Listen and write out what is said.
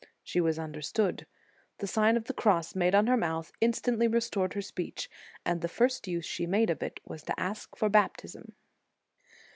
She was understood. The Sign of the Cross made on her mouth instantly restored her speech, and the first use she made of it was to ask for baptism.